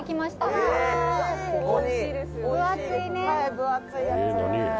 分厚いやつ」